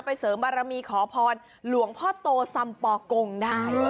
เสริมบารมีขอพรหลวงพ่อโตสัมปอกงได้